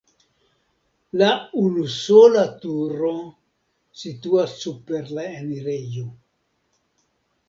La unusola turo situas super la enirejo.